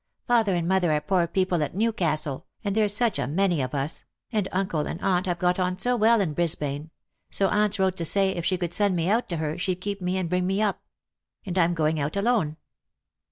" Father and mother are poor people at Newcastle, and there's such a 200 ljost for Love. many of us ; and uncle and aunt have got on so well in Bris bane; so aunt's wrote to say if they could send me out to her, she'd keep me and bring me up. And I'm going out alone."